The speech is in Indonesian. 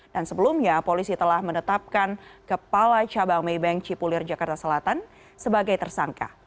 dan sebelumnya polisi telah menetapkan kepala cabang maybank cipulir jakarta selatan sebagai tersangka